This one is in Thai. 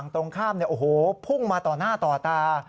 ต่อหน้าต่อตา